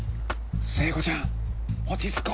聖子ちゃん落ち着こう。